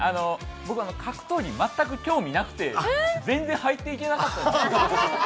僕格闘技全く興味なくて全然入っていけなかったんですよ。